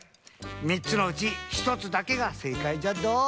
みっつのうちひとつだけがせいかいじゃっど。